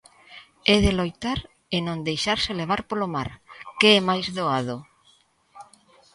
E de loitar, e non deixarse levar polo mar, que é máis doado.